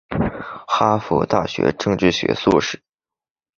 哈佛大学政治学硕士。